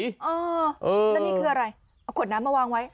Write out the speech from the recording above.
แล้วนี่คืออะไรเอาขวดน้ำมาวางไว้